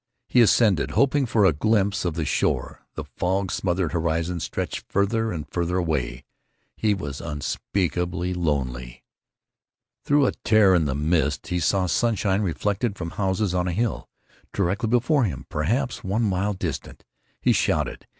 He ascended, hoping for a glimpse of the shore. The fog smothered horizon stretched farther and farther away. He was unspeakably lonely. Through a tear in the mist he saw sunshine reflected from houses on a hill, directly before him, perhaps one mile distant. He shouted.